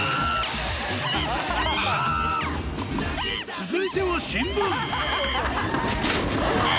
続いては新聞キャ！